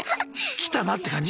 来たなって感じ？